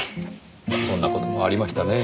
そんな事もありましたねぇ。